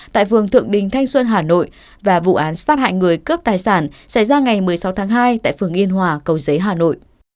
tại phường thượng đình thanh xuân hà nội và vụ án sát hại người cướp tài sản xảy ra ngày một mươi sáu tháng hai tại phường yên hòa cầu giấy hà nội